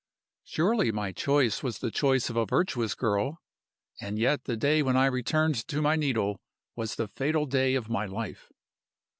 "Surely my choice was the choice of a virtuous girl? And yet the day when I returned to my needle was the fatal day of my life.